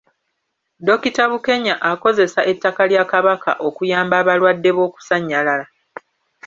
Dokita Bukenya akozesa ettaka lya Kabaka okuyamba abalwadde b’okusannyalala.